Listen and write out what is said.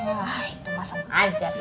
wah itu masem aja teh